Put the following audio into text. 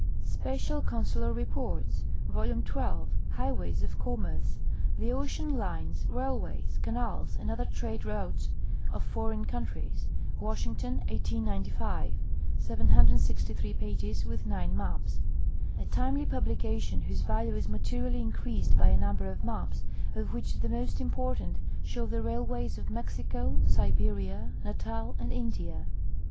Special Consular Reports, Vol. 12 — Highways of Commerce. The ocean lines, railways, canals, and other trade routes of foreign countries. Washington, 1895. Pp. 763, with 9 maps. A timely publication, whose value is materially increased by a nundier of ma])s, of which the most important sliow the railways of IMexico, Si beria, Natal, and India.